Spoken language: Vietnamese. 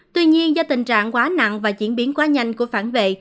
tuy nhiên do tình trạng quá nặng và diễn biến quá nhanh của phản vệ